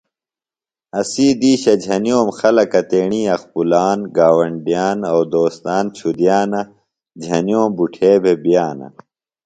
اسی دیشہ جھنیِوم خلکہ تیݨی اخپُلان گاونڈیان او دوستان چُھدیانہ۔ جھنیوم بٹُھے بےۡ بئانہ۔